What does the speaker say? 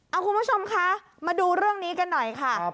เอาคุณผู้ชมคะมาดูเรื่องนี้กันหน่อยค่ะ